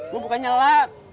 lo bukan nyelak